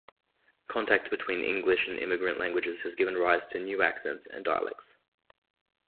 Contact between English and immigrant languages has given rise to new accents and dialects.